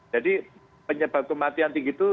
jadi penyebab kematian tinggi itu